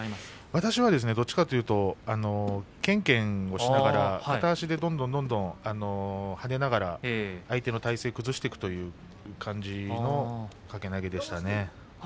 私はどちらかというとけんけんをしながら片足でどんどん跳ねながら相手の体勢を崩していくという掛け投げでした。